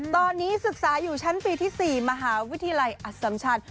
ตอนนี้ศึกษาอยู่ชั้นปีที่๔มหาวิทยาลัยอสัมชัน